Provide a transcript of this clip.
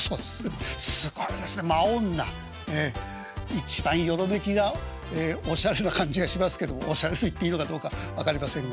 一番「よろめき」がおしゃれな感じがしますけどもおしゃれと言っていいのかどうか分かりませんが。